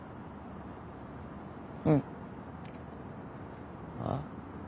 うん。あっ？